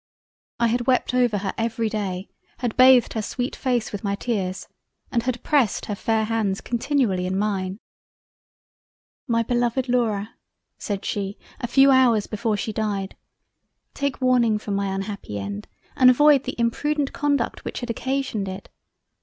I had wept over her every Day—had bathed her sweet face with my tears and had pressed her fair Hands continually in mine—. "My beloved Laura (said she to me a few Hours before she died) take warning from my unhappy End and avoid the imprudent conduct which had occasioned it...